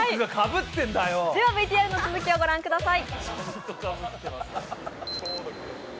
それではＶＴＲの続きをご覧ください